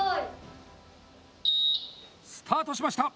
スタートしました！